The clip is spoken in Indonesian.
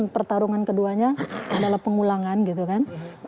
pertarungan keduanya adalah pengulangan gitu kan